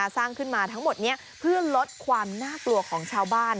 สร้างขึ้นมาทั้งหมดนี้เพื่อลดความน่ากลัวของชาวบ้าน